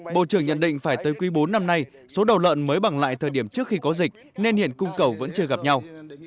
bộ trưởng nhận định phải tới quý bốn năm nay số đầu lợn mới bằng lại thời điểm trước khi có dịch nên hiện cung cầu vẫn chưa gặp nhau